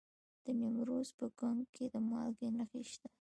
د نیمروز په کنگ کې د مالګې نښې شته.